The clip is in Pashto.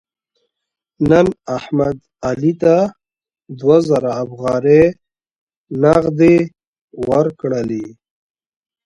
نن احمد علي ته دوه زره افغانۍ نغدې ورکړلې.